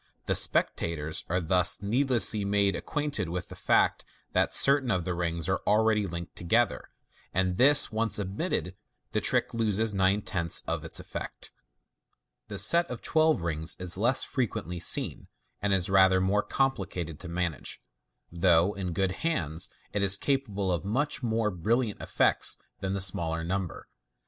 The spectators are thus needlessly made acquainted with the fact that certain of the rings are already linked together, and this once admitted, the trick loses nine tenths of its effect. Fig. 241. 4.o6 MODERN MAGIC. The set of twelve rings is less frequently seen, and is rather more complicated to manage, though in good hands it is capable of much more brilliant effects than the smaller number.